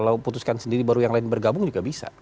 kalau putuskan sendiri baru yang lain bergabung juga bisa